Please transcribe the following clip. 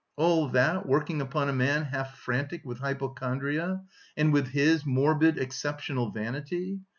All that working upon a man half frantic with hypochondria, and with his morbid exceptional vanity!